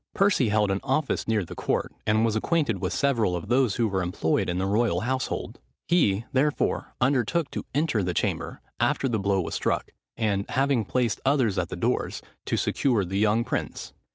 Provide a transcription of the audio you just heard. Percy held an office near the court, and was acquainted with several of those who were employed in the royal household. He, therefore, undertook to enter the chamber, after the blow was struck, and, having placed others at the doors, to secure the young prince.